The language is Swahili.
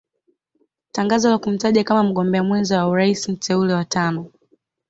Tangazo la kumtaja kama mgombea mwenza wa rais mteule wa tano